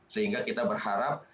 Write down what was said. sehingga kita berharap